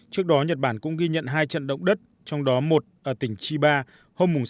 trước đó nhật bản cũng ghi nhận hai trận động đất trong đó một ở tỉnh chiba hôm sáu